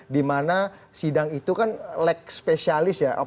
dimana sidang itu kan leg spesialis ya